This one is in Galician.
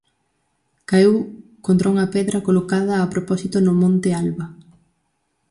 Caeu contra unha pedra colocada a propósito no monte Alba.